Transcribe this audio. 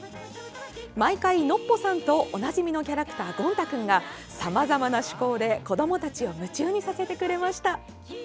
毎回、ノッポさんとおなじみのキャラクターゴン太くんがさまざまな趣向で子どもたちを夢中にさせてくれました。